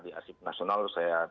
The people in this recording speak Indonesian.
di asip nasional saya